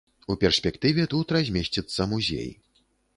У перспектыве тут размесціцца музей.